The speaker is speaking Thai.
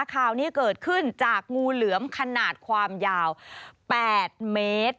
ข่าวนี้เกิดขึ้นจากงูเหลือมขนาดความยาว๘เมตร